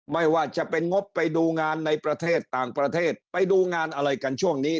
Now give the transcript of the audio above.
ไม่ว่าจะเป็นงบไปดูงานในประเทศต่างประเทศไปดูงานอะไรกันช่วงนี้